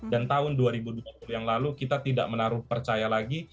dan tahun dua ribu dua puluh yang lalu kita tidak menaruh percaya lagi